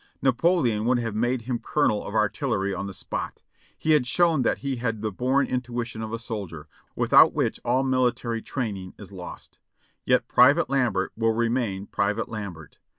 Napoleon would have made him colonel of artillery on the spot. He had shown that he had the born intuition of a soldier, without which all military training is lost; yet 'Private Lambert' will remain 'Private Lambert.'